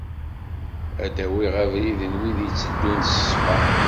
Ad awiɣ abrid n wid itteddun s ṣṣfa.